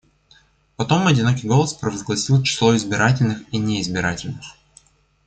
Потом одинокий голос провозгласил число избирательных и неизбирательных.